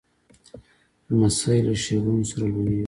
لمسی له ښېګڼو سره لویېږي.